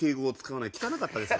汚かったです。